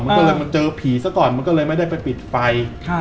มันก็เลยมาเจอผีซะก่อนมันก็เลยไม่ได้ไปปิดไฟ